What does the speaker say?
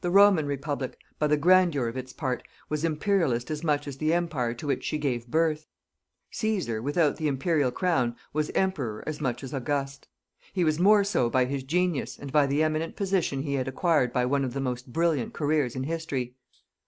The Roman Republic, by the grandeur of its part, was Imperialist as much as the Empire to which she gave birth. Cæsar, without the imperial crown was Emperor as much as August. He was more so by his genius, and by the eminent position he had acquired by one of the most brilliant careers in History.